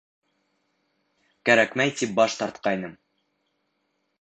Кәрәкмәй, тип баш тартҡайным.